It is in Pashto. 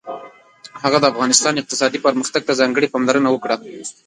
هغه د افغانستان اقتصادي پرمختګ ته ځانګړې پاملرنه وکړه.